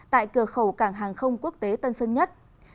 tại cửa khẩu cảng hàng không quốc tế tân sơn nhất